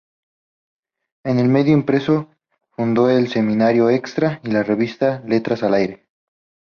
En el medio impreso fundó el semanario "Extra" y la revista "Letras al Aire".